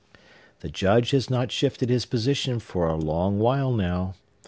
The Judge has not shifted his position for a long while now.